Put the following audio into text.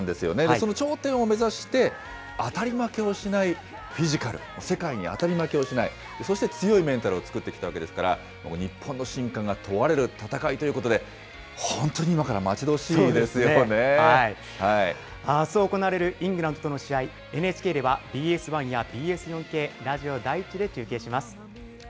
その頂点を目指して当たり負けをしないフィジカル、世界に当たり負けをしない、そして強いメンタルを作ってきたわけですから、日本の真価が問われる戦いということで、本当に今から待ち遠しいであす行われるイングランドとの試合、ＮＨＫではＢＳ１やＢＳ４Ｋ、ラジオ第１で中継します。